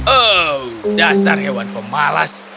oh dasar hewan pemalas